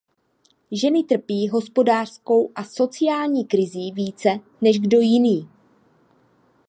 Ženy trpí hospodářskou a sociální krizí více než kdo jiný.